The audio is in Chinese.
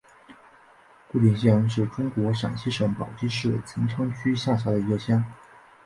胡店乡是中国陕西省宝鸡市陈仓区下辖的一个乡。